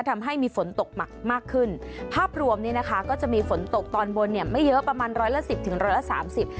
ทำให้มีฝนตกหนักมากขึ้นภาพรวมเนี้ยนะคะก็จะมีฝนตกตอนบนเนี่ยไม่เยอะประมาณร้อยละสิบถึงร้อยละสามสิบ